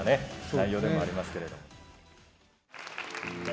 内容でもありますけれども。